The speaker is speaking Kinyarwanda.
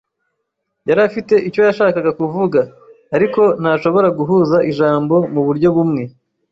yari afite icyo yashakaga kuvuga. Ariko, ntashobora guhuza ijambo muburyo bumwe.